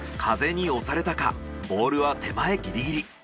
風に押されたかボールは手前ギリギリ。